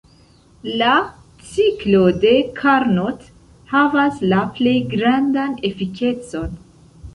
La ciklo de Carnot havas la plej grandan efikecon.